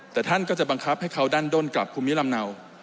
แต่ท่านก็จะบังคับให้เขาด้านด้นกลับภูมิลำเนา